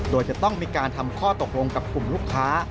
โดยจะต้องมีการทำข้อตกลงกับกลุ่มลูกค้า